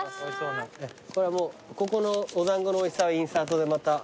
これはもうここのお団子のおいしさはインサートでまた。